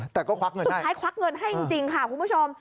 ซู๊ตคร้ายควักเงินให้จริงจริงค่ะคุณผู้ชม